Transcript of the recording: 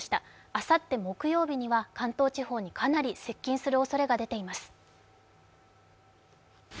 あさって木曜日には関東地方にかなり接近するおそれが出ています。